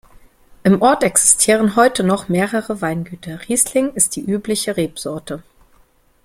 Im Ort existieren heute noch mehrere Weingüter; Riesling ist die übliche Rebsorte.